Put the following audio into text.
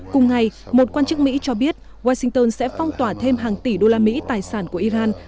cùng ngày một quan chức mỹ cho biết washington sẽ phong tỏa thêm hàng tỷ đô la mỹ tài sản của iran